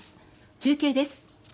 中継です。